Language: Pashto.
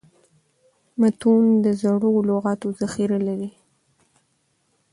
متون د زړو لغاتو ذخیره لري.